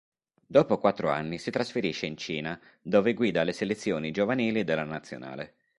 Dopo quattro anni si trasferisce in Cina, dove guida le selezioni giovanili della nazionale.